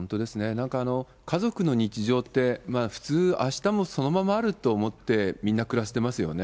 なんか家族の日常って、普通、あしたもそのままあると思って、みんな暮らしてますよね。